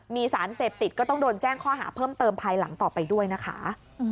มีสารเสพติดก็ต้องโดนแจ้งข้อหาเพิ่มเติมภายหลังต่อไปด้วยนะคะ